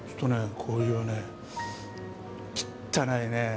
こういうねきったないね